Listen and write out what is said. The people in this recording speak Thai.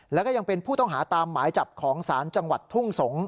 แล้วก็ยังเป็นผู้ต้องหาตามหมายจับของศาลจังหวัดทุ่งสงศ์